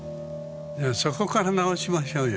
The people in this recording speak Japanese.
そこから直しましょうよ。